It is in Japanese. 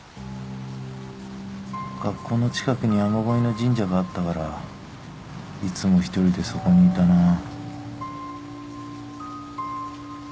学校の近くに雨乞いの神社があったからいつも１人でそこにいたな。